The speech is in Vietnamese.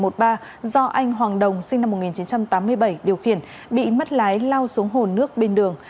do anh hoàng đồng sinh năm một nghìn chín trăm tám mươi bảy điều khiển bị mất lái lao xuống hồ nước bên đường